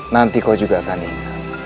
nanti kau juga akan ikut